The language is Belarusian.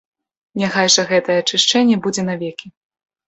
Няхай жа гэтае ачышчэнне будзе навекі.